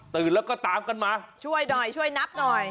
ตื่นแล้วก็ตามกันมาช่วยหนักหน่อย